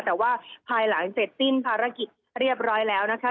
แต่ว่าภายหลังเสร็จสิ้นภารกิจเรียบร้อยแล้วนะคะ